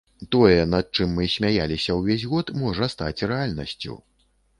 Тое, над чым мы смяяліся ўвесь год, можа стаць рэальнасцю.